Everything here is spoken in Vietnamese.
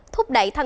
thúc đẩy thanh toán